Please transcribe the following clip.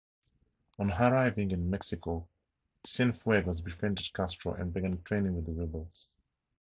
On arriving in Mexico, Cienfuegos befriended Castro and began training with the rebels.